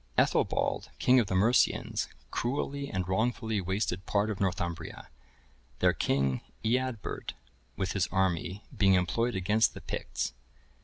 Ethelbald, king of the Mercians, cruelly and wrongfully wasted part of Northumbria, their king, Eadbert, with his army, being employed against the Picts.